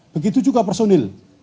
begitu juga personil